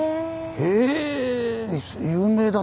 へえ！